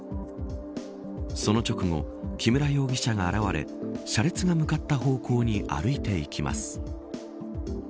その直後、木村容疑者が現れ車列が向かった方向に歩いていきます。